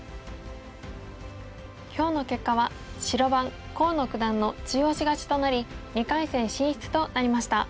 今日の結果は白番河野九段の中押し勝ちとなり２回戦進出となりました。